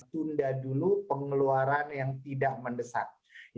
tunda dulu pengeluaran yang tidak mendesak